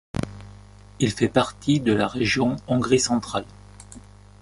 Il fait partie de la région Hongrie centrale.